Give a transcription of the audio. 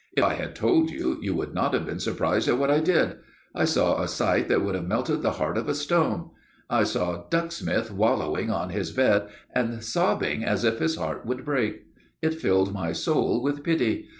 If I had told you, you would not have been surprised at what I did. I saw a sight that would have melted the heart of a stone. I saw Ducksmith wallowing on his bed and sobbing as if his heart would break. It filled my soul with pity.